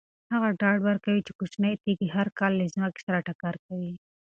هغه ډاډ ورکوي چې کوچنۍ تیږې هر کال له ځمکې سره ټکر کوي.